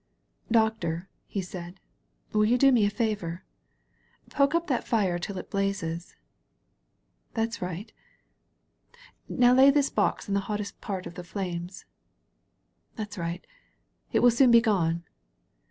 "Doctor," he said, "will you do me a favor? Poke up that fire till it blazes. That's right. Now lay this box in the hottest part of the flames. That's right. It will soon be gone."